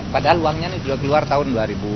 padahal uangnya ini sudah keluar tahun dua ribu